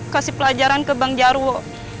kasih pelajaran ke bang jarwo